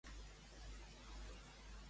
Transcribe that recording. Em dius una broma?